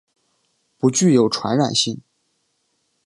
不具有传染性。